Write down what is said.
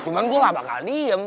cuman gua labah labah diem